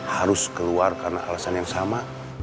harus keluar karena alasan yang sama